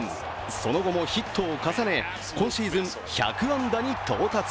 その後もヒットを重ね、今シーズン１００安打に到達。